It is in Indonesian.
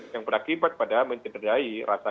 yang berakibat pada mencederai rasa